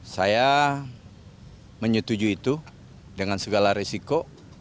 saya menyetujui itu dengan segala risiko